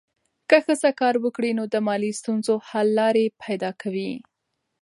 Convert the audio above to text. که ښځه کار وکړي، نو د مالي ستونزو حل لارې پیدا کوي.